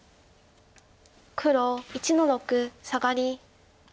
黒１の六サガリ。